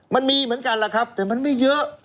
มันมีเหมือนกันแหละครับแต่มันไม่เยอะ